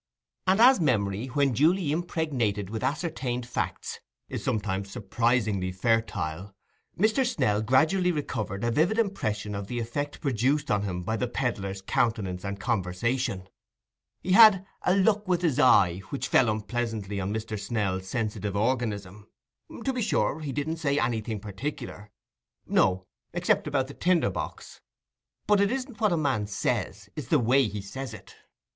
And as memory, when duly impregnated with ascertained facts, is sometimes surprisingly fertile, Mr. Snell gradually recovered a vivid impression of the effect produced on him by the pedlar's countenance and conversation. He had a "look with his eye" which fell unpleasantly on Mr. Snell's sensitive organism. To be sure, he didn't say anything particular—no, except that about the tinder box—but it isn't what a man says, it's the way he says it.